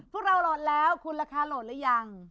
พวกเราโหลดแล้วคุณราคาโหลดหรือยัง